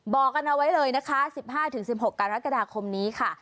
บอกกันเอาไว้เลยนะคะ๑๕๑๖กรกฎาคมนี้ค่ะ